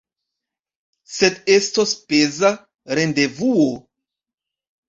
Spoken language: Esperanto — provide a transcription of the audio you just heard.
Sed estos peza rendevuo.